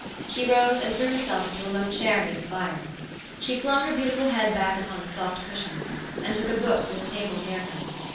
She rose, and threw herself into a low chair near the fire. She flung her beautiful head back upon the soft cushions, and took a book from the table near her.